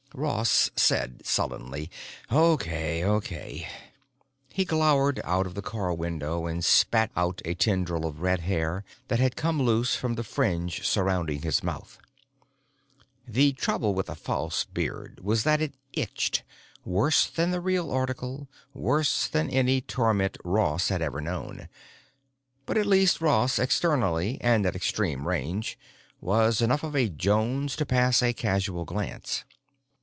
Ross said sullenly, "Okay, okay." He glowered out of the car window and spat out a tendril of red hair that had come loose from the fringe surrounding his mouth. The trouble with a false beard was that it itched, worse than the real article, worse than any torment Ross had ever known. But at least Ross, externally and at extreme range, was enough of a Jones to pass a casual glance.